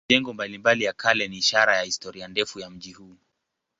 Majengo mbalimbali ya kale ni ishara ya historia ndefu ya mji huu.